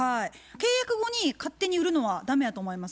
契約後に勝手に売るのは駄目やと思います。